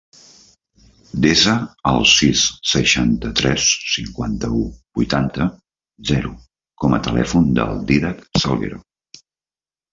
Desa el sis, seixanta-tres, cinquanta-u, vuitanta, zero com a telèfon del Dídac Salguero.